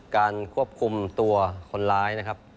การควบคุมตัวคนร้ายนะครับ